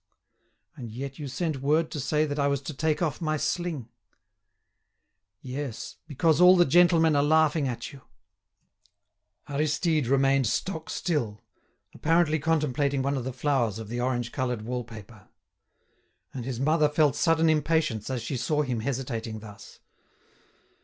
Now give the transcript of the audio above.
"And yet you sent word to say that I was to take off my sling!" "Yes; because all the gentlemen are laughing at you." Aristide remained stock still, apparently contemplating one of the flowers of the orange coloured wall paper. And his mother felt sudden impatience as she saw him hesitating thus.